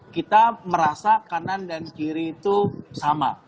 kita merasa kanan dan kiri itu sama